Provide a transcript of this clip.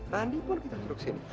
randi pun kita suruh kesini